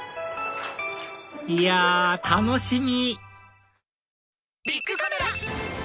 いや楽しみ！